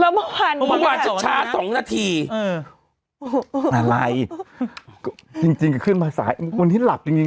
แล้วเมื่อวานนี้ช้าสองนาทีอืมอะไรจริงจริงก็ขึ้นมาสายวันนี้หลับจริงจริง